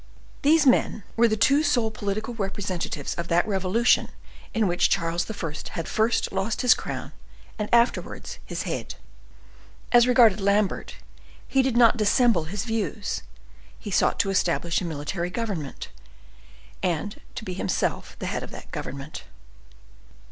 These men were the two sole political representatives of that revolution in which Charles I. had first lost his crown, and afterwards his head. As regarded Lambert, he did not dissemble his views; he sought to establish a military government, and to be himself the head of that government.